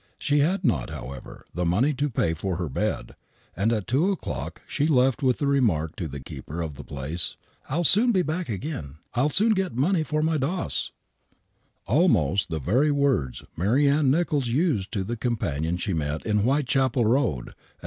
She had not, however, the money to pay for her bed, and at 2 o'clock she left with the remark to the keeper of the place :" I'll soon be back again ; I' J soon get the money for my doss," almost the very words Mary Ann Nicholls used to the companion ehe met in Whitechapel Road, at 2.